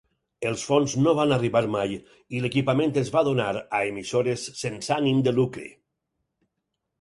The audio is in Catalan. Els fons no van arribar mai i l'equipament es va donar a emissores sense ànim de lucre.